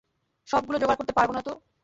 সবগুলো জোগাড় করতে পারব না তো।